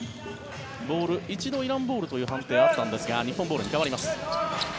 一度イランボールという判定になったんですが日本ボールに変わります。